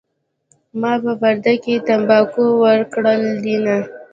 ما په پرده کې تمباکو ورکړي دینه